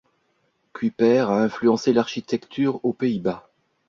Cuypers a influencé l'architecture aux Pays-Bas.